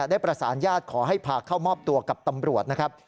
ได้ประสานญาติขอให้พาเข้ามอบตัวกับตำรวจนะครับ